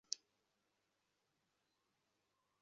ভাইয়া তুমি ছাদে, রোমান্স করতে পারো।